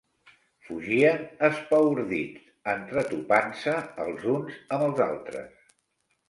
Fugien espaordits entretopant-se els uns amb els altres.